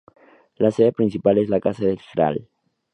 La sede principal es la Casa del Gral.